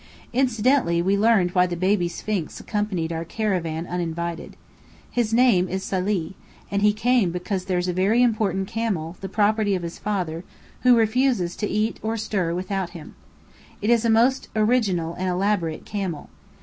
Incidentally we learned why the Baby Sphinx accompanied our caravan uninvited. His name is Salih; and he came because there's a very important camel (the property of his father) who refuses to eat or stir without him. It is a most original and elaborate camel.